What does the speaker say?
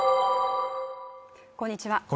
こんにちは